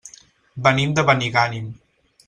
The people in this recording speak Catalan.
Venim de Benigànim.